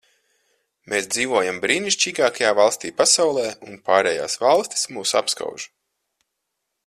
Mēs dzīvojam brīnišķīgākajā valstī pasaulē, un pārējās valstis mūs apskauž.